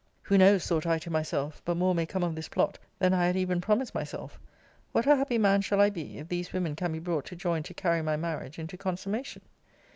Who knows, thought I to myself, but more may come of this plot, than I had even promised myself? What a happy man shall I be, if these women can be brought to join to carry my marriage into consummation!